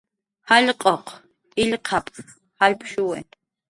"jallq'uq illqap"" jallpshuwi."